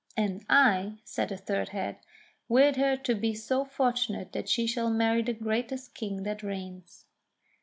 "And I,'* said the third head, "weird her to be so fortu nate that she shall marry the greatest King that reigns."